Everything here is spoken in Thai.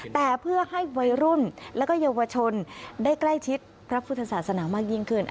แต่เพื่อให้วัยรุ่นและเยาวชนได้ใกล้ชิดพระพุทธศาสนามากยิ่งขึ้น